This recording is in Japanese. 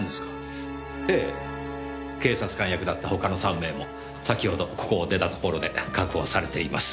ええ警察官役だった他の３名も先ほどここを出た所で確保されています。